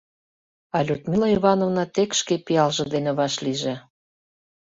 А Людмила Ивановна тек шке пиалже дене вашлийже.